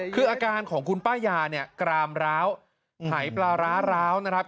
คืออาการของคุณป้ายาเนี่ยกรามร้าวหายปลาร้าร้าวนะครับ